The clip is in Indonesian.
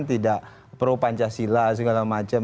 tidak pro pancasila segala macam